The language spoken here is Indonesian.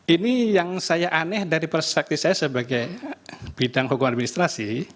ini yang saya aneh dari perspektif saya sebagai bidang hukum administrasi